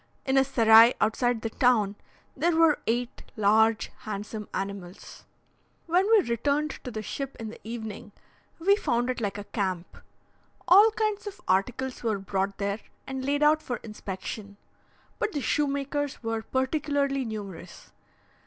In a serai outside the town there were eight large handsome animals. When we returned to the ship in the evening, we found it like a camp. All kinds of articles were brought there and laid out for inspection; but the shoemakers were particularly numerous.